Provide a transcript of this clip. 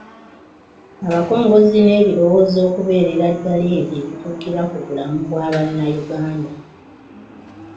Abakongozzi n’ebirowoozo okubeerera ddala ebyo ebituukira ku bulamu bwa Bannayuganda